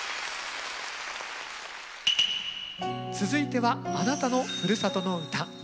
続いては「あなたのふるさとの唄」。